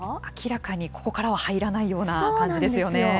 明らかにここからは入らないような感じですよね。